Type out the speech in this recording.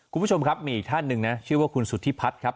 คุณผู้ชมครับมีอีกท่านหนึ่งนะชื่อว่าคุณสุธิพัฒน์ครับ